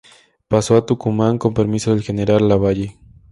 Pasó a Tucumán con permiso del general Lavalle.